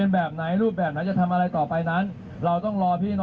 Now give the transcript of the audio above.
ออกแบบการชมนุมวันนี้